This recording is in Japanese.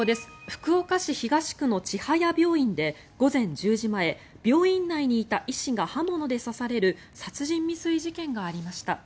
福岡市東区の千早病院で午前１０時前病院内にいた医師が刃物で刺される殺人未遂事件がありました。